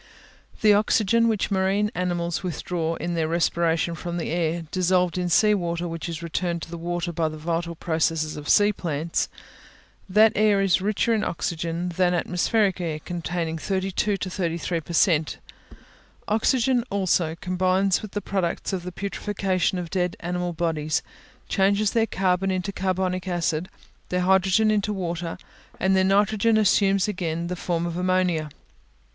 The oxygen which marine animals withdraw in their respiration from the air, dissolved in sea water, is returned to the water by the vital processes of sea plants; that air is richer in oxygen than atmospheric air, containing 32 to 33 per cent. Oxygen, also, combines with the products of the putrefaction of dead animal bodies, changes their carbon into carbonic acid, their hydrogen into water, and their nitrogen assumes again the form of ammonia.